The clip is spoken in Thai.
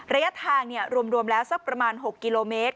ระยะทางรวมแล้วสักประมาณ๖กิโลเมตร